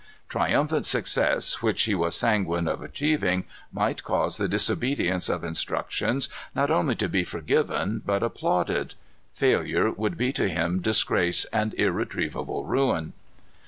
Triumphant success, which he was sanguine of achieving, might cause the disobedience of instructions not only to be forgiven but applauded. Failure would be to him disgrace and irretrievable ruin.